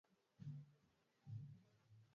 Usishangae ikiwa baada ya mkutano mmoja au miwili